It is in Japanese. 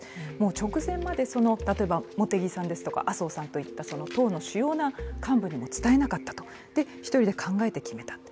直前まで例えば茂木さんですとか麻生さんといった党の主要な幹部にも伝えなかったと、で、一人で考えて決めたと。